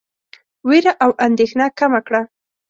وېره او اندېښنه کمه کړه.